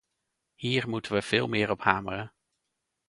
Hier moeten we veel meer op hameren.